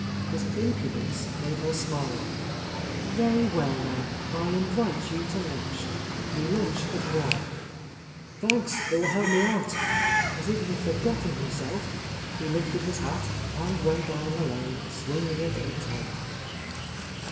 His impudence made her smile. "Very well, then; I invite you to lunch. We lunch at one." A Lost Lady "Thanks. It will help me out." As if he had forgotten himself, he lifted his hat, and went down the lane swinging it in his hand.